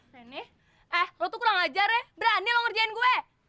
reni eh lo tuh kurang ajar ya berani lo ngerjain gue